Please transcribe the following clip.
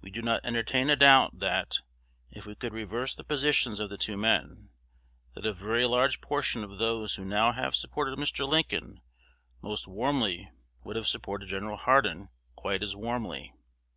We do not entertain a doubt, that, if we could reverse the positions of the two men, that a very large portion of those who now have supported Mr. Lincoln most warmly would have supported Gen. Hardin quite as warmly."